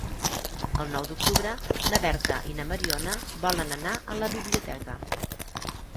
El nou d'octubre na Berta i na Mariona volen anar a la biblioteca.